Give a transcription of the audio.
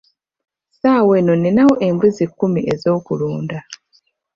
Ssaawa eno ninawo embuzi kkumi ez'okuluda.